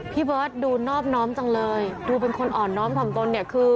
พี่เบิร์ตดูนอบน้อมจังเลยดูเป็นคนอ่อนน้อมถ่อมตนเนี่ยคือ